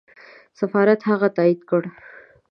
سفارت هغه تایید کړ.